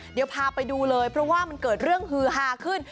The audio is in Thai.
เดี๋ยวพาไปดูเลยเพราะว่ามันเกิดเรื่องฮือฮาขึ้น